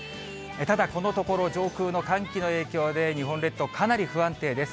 ただこのところ、上空の寒気の影響で、日本列島、かなり不安定です。